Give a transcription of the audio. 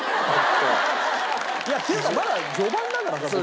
いやっていうかまだ序盤だからさ。